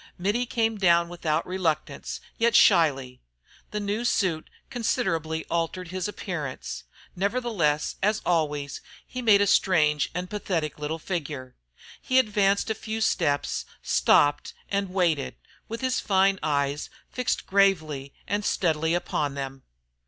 Mittie came down without reluctance, yet shyly. The new suit considerably altered his appearance: nevertheless, as always, he made a strange and pathetic little figure. He advanced a few steps, stopped and waited, with his fine eyes fixed gravely and steadily upon them.